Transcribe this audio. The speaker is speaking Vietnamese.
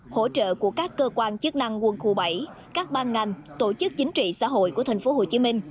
hỗ trợ của các cơ quan chức năng quân khu bảy các ban ngành tổ chức chính trị xã hội của tp hcm